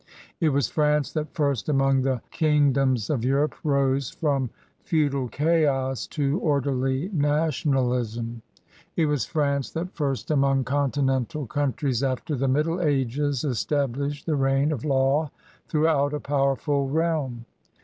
It was France that first among the king doms of Europe rose from feudal chaos to orderly nationalism; it was France that first among t 4 CRUSADERS OP NEW FRANCE continental countries alter the Middle Ages established the reign of law throughout a power ful reakn.